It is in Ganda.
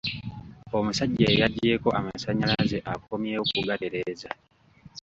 Omusajja eyaggyeeko amasanyalaze akomyewo kugatereeza.